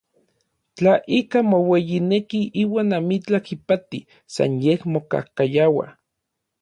Tla ikaj moueyineki iuan amitlaj ipati, san yej mokajkayaua.